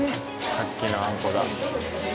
さっきのあんこだ。